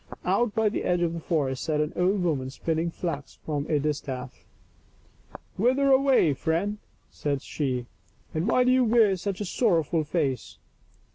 Out by the edge of the forest sat an old woman spinning flax from a distaff. " Whither away, friend ?" said she, " and why do you wear such a sorrow ful face?"